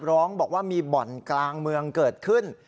ร้องบอกว่ามีบ่อนกลางเมืองเกิดขึ้น